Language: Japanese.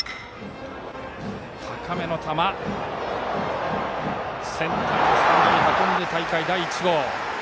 高めの球センターのスタンドに運んで大会第１号。